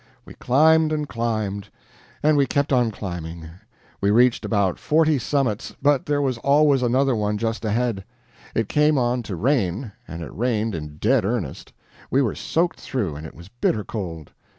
We climbed and climbed; and we kept on climbing; we reached about forty summits, but there was always another one just ahead. It came on to rain, and it rained in dead earnest. We were soaked through and it was bitter cold.